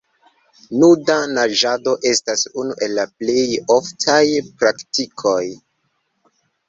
Nuda naĝado estas unu el la plej oftaj praktikoj.